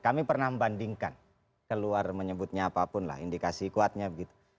kami pernah membandingkan keluar menyebutnya apapun lah indikasi kuatnya begitu